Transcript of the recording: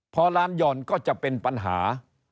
พอร้านห่อนก็จะเป็นปัญหา